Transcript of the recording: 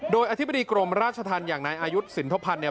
โดยอธิบดีกรมราชธรรมอย่างนายอายุสินทพันธ์เนี่ย